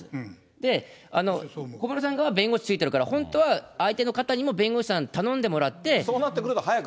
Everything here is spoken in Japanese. で、小室さん側は弁護士ついてるから、本当は相手の方にも弁護士さん頼そうなってくると、早く。